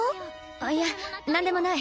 あっいやなんでもない。